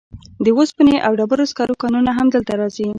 د اوسپنې او ډبرو سکرو کانونه هم دلته راځي.